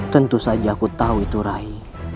tentu saja aku tahu itu rai